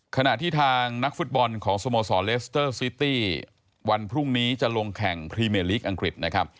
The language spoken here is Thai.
ขณะที่ทางนักฟุตบอลของสโมสรเลสเตอร์ซิตี้วันพรุ่งนี้จะลงแข่งพรีเมลีกอังกฤษนะครับ